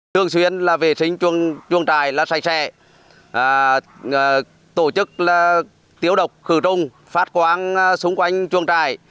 thường xuyên là vệ sinh chuông trài là sạch sẽ tổ chức tiếu độc khử trung phát quán xung quanh chuông trài